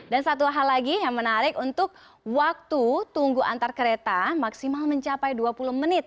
dan satu hal lagi yang menarik untuk waktu tunggu antar kereta maksimal mencapai dua puluh menit